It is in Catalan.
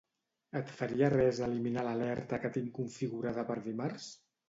Et faria res eliminar l'alerta que tinc configurada per dimarts?